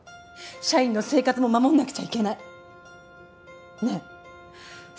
社員の生活も守んなくちゃいけないね